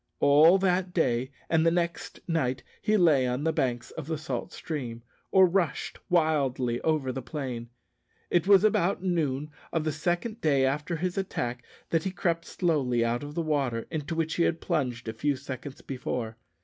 All that day and the next night he lay on the banks of the salt stream, or rushed wildly over the plain. It was about noon of the second day after his attack that he crept slowly out of the water, into which he had plunged a few seconds before.